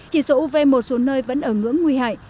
chỉ dụ về một số nơi vẫn ở ngưỡng nguy hại